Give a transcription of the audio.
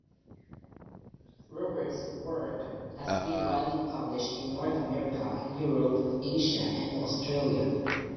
Robert's work has been widely published in North America, Europe, Asia and Australia.